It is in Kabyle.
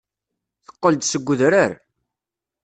Teqqel-d seg udrar.